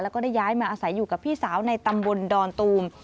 แล้วก็ได้ย้ายมาอาศัยอยู่กับพี่สาวในตำบลดอนตูม